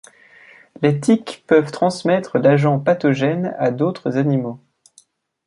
Les tiques peuvent transmettre l'agent pathogène à d'autres animaux.